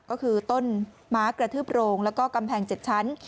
ก็คือต้นม้ากระทืบโรงแล้วก็กำแพง๗ชั้น